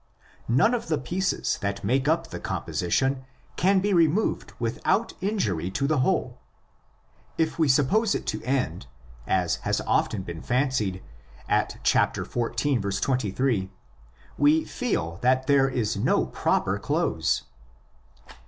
None of the pieces that make up the composition can be removed without injury to the whole. If we suppose it to end, as has often been fancied, at xiv. 28, we feel that there is no proper close.